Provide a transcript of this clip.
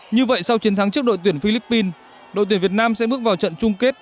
như vậy sau chiến thắng trước đội tuyển philippines đội tuyển việt nam sẽ bước vào trận chung kết